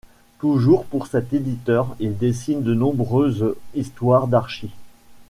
Toujours pour cet éditeur il dessine de nombreuses histoire d'Archie.